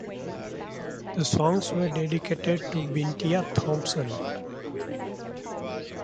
The songs were dedicated to Bintia Thompson.